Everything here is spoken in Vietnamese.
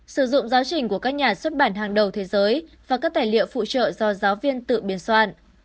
sử dụng giáo trình của các nhà xuất bản hàng đầu thế giới và các tài liệu phụ trợ do giáo viên tự biên soạn